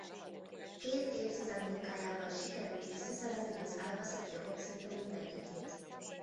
Két évtized munkájával sikerült visszaszerezni az elveszett jogok szinte mindegyikét.